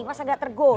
masa gak tergoda